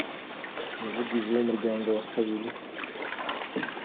umuvugizi w umuryango wa kabiri